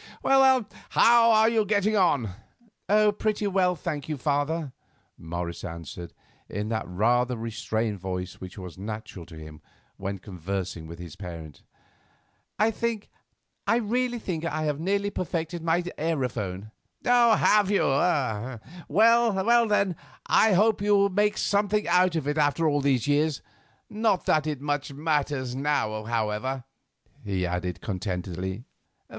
Well, how are you getting on?" "Oh, pretty well, thank you, father," Morris answered, in that rather restrained voice which was natural to him when conversing with his parent. "I think, I really think I have nearly perfected my aerophone." "Have you? Well, then, I hope you will make something out of it after all these years; not that it much matters now, however," he added contentedly.